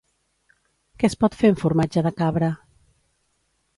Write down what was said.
Què es pot fer amb formatge de cabra?